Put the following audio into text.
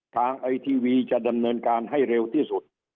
ไอทีวีจะดำเนินการให้เร็วที่สุด